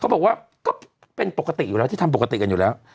บอกว่าก็เป็นปกติอยู่แล้วที่ทำปกติกันอยู่แล้ว